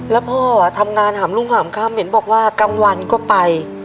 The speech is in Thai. แล้วพ่อทำงานหามรุ่งหามค่ำเห็นบอกว่ากลางวันก็ไป